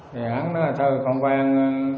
thì hắn nói thôi không quen